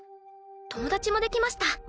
友達もできました。